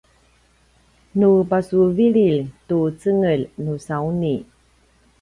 nu pasuvililj tu cengelj nusauni